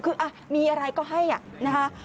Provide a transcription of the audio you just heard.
คือมีอะไรก็ให้นะคะ